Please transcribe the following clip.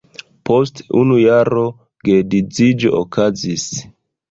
Post unu jaro geedziĝo okazis.